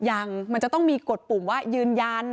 ยังมันจะต้องมีกฎปุ่มว่ายืนยัน